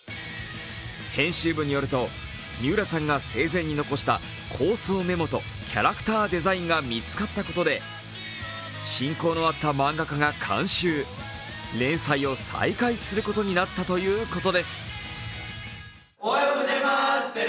編集部によると、三浦さんが生前に残した構想メモとキャラクターデザインが見つかったことで、親交のあった漫画家が監修、連載を再開することになったとういことです。